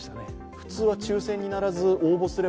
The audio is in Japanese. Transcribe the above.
普通は抽選にならず応募すれば？